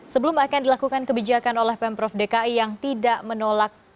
sebelum akan dilakukan kebijakan oleh pemprov dki yang tidak menolak